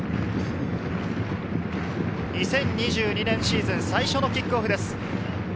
２０２２年シーズン、最初のキックオフです。